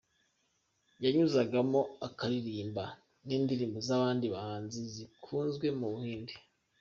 Yanyuzagamo akaririmba n’indirimbo z’abandi bahanzi zikunzwe mu Buhinde.